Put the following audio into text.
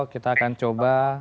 kita akan coba